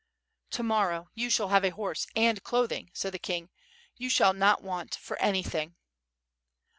"To morrow you shall have a horse and clothing," said the king, "you shall not want for anything."